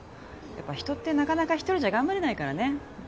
やっぱ人ってなかなか一人じゃ頑張れないからね